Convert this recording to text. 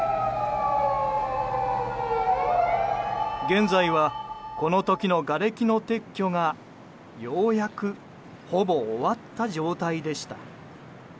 現在はこの時のがれきの撤去がようやくほぼ終わった状態でした。